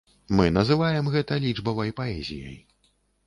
Мы называем гэта лічбавай паэзіяй.